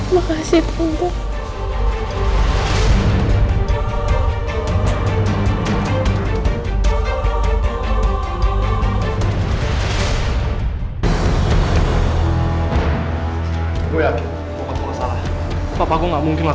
makasih bung bung